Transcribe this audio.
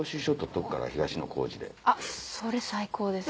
あっそれ最高です。